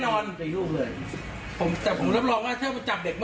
อ๋อหรือป้องกันตัว